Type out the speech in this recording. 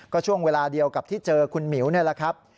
ก็ช่วงเวลาเดียวกับที่เจอคุณหมิวนี่แหละครับ